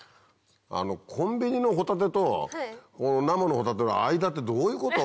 コンビニのホタテと生のホタテの間ってどういうこと？